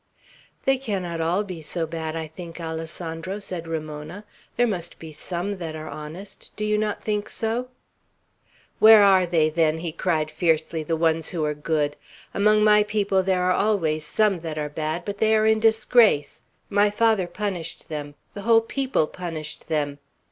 "They cannot all be so bad, I think, Alessandro," said Ramona. "There must be some that are honest; do you not think so?" "Where are they, then," he cried fiercely, "the ones who are good? Among my people there are always some that are bad; but they are in disgrace. My father punished them, the whole people punished them.